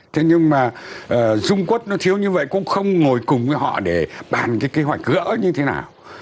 thế nhưng mà dung quốc nó thiếu như vậy cũng không ngồi cùng với họ để bàn cái kế hoạch gỡ như thế nào